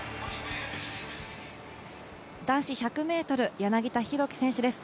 男子１００ｍ、柳田大輝選手です